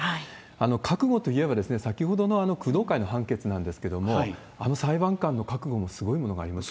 覚悟といえば、先ほどのあの工藤会の判決なんですけれども、あの裁判官の覚悟もすごいものがありました。